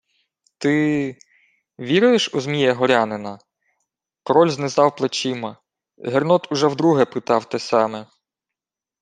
— Ти... віруєш у Змія Горянина? Король знизав плечима. Гернот уже вдруге питав те саме.